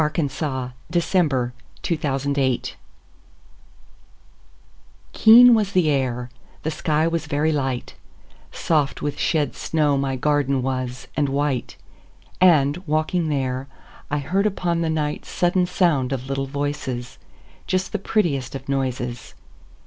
Philip Bourke Marston 1850–87 Garden Fairies KEEN was the air, the sky was very light, Soft with shed snow my garden was, and white, And, walking there, I heard upon the nightSudden sound of little voices, Just the prettiest of noises.